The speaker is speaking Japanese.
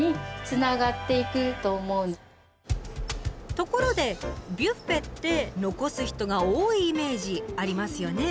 ところでビュッフェって残す人が多いイメージありますよね？